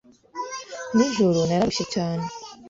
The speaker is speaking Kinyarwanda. Nijoro nararushye cyane.